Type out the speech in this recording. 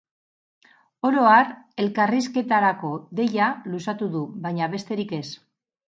Oro har elkarrizketarako deia luzatu du, baina besterik ez.